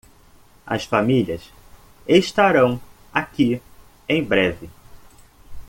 As famílias estarão aqui em breve.